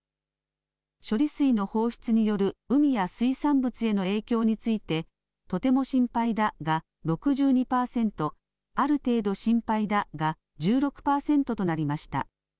処理水の放出による海や水産物への影響について、とても心配だが６２％、ある程度心配だが１６％となりました。